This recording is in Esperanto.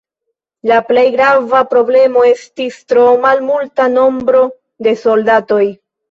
La plej grava problemo estis tro malmulta nombro de soldatoj.